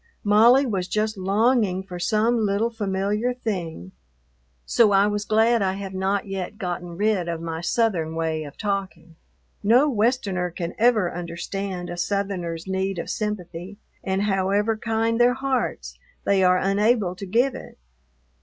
Molly was just longing for some little familiar thing, so I was glad I have not yet gotten rid of my Southern way of talking. No Westerner can ever understand a Southerner's need of sympathy, and, however kind their hearts, they are unable to give it.